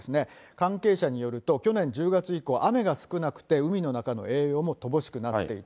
関係者によると、去年１０月以降、雨が少なくて海の中の栄養も乏しくなっていた。